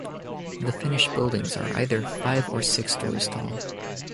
The finished buildings are either five or six storeys tall.